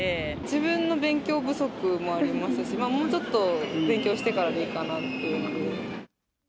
自分の勉強不足もありますし、もうちょっと勉強してからでいいかなっていうので。